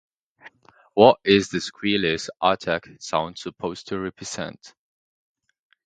What is the Screwloose attack sound supposed to represent?